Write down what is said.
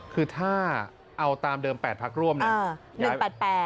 คือถ้าเอาตามเดิม๘พักร่วมเนี่ย